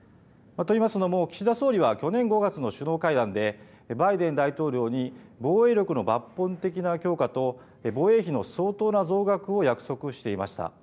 といいますのも、岸田総理は去年５月の首脳会談で、バイデン大統領に防衛力の抜本的な強化と、防衛費の相当な増額を約束していました。